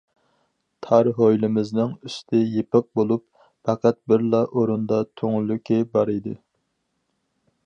تار ھويلىمىزنىڭ ئۈستى يېپىق بولۇپ، پەقەت بىرلا ئورۇندا تۈڭلۈكى بار ئىدى.